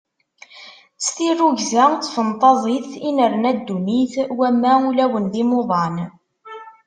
S tirrugza d tfenṭaẓit i nerna ddunit, wamma ulawen d imuḍan.